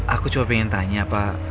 aku coba pengen tanya apa